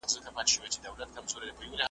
چي ورته ناست دوستان یې `